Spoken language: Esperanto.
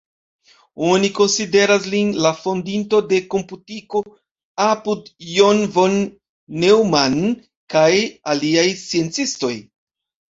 Oni konsideras lin la fondinto de komputiko apud John von Neumann kaj aliaj sciencistoj.